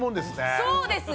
そうですね。